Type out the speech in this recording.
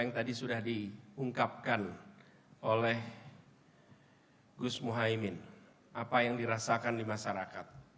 yang tadi sudah diungkapkan oleh gus muhaymin apa yang dirasakan di masyarakat